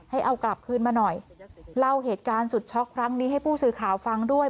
ให้เอากลับคืนมาหน่อยเล่าเหตุการณ์สุดช็อกครั้งนี้ให้ผู้สื่อข่าวฟังด้วย